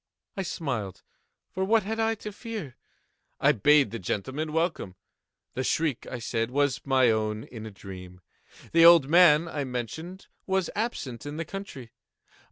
I smiled,—for what had I to fear? I bade the gentlemen welcome. The shriek, I said, was my own in a dream. The old man, I mentioned, was absent in the country.